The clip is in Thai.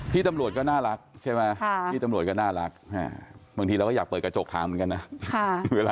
พี่ตำรวจก็น่ารักใช่ไหมพี่ตำรวจก็น่ารักบางทีเราก็อยากเปิดกระจกถามเหมือนกันนะ